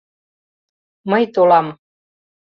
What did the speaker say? — Мый толам...